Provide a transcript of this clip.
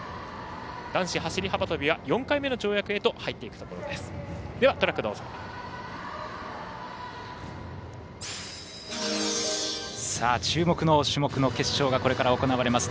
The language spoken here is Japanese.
男子走り幅跳びは４回目の跳躍へと入っていくところです。